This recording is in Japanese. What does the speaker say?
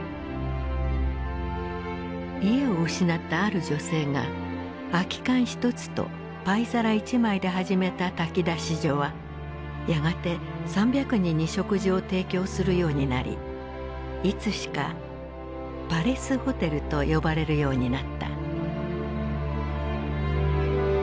家を失ったある女性が空き缶１つとパイ皿１枚で始めた炊き出し所はやがて３００人に食事を提供するようになりいつしかパレスホテルと呼ばれるようになった。